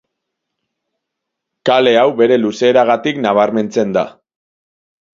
Kale hau bere luzeragatik nabarmentzen da.